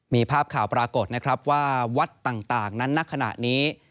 มีภาพข่าวปรากฏนะครับว่าวัดต่างนั้นณขณะนี้